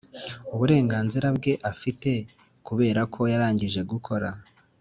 uburenganzira bwe afite kubera ko yarangije gukora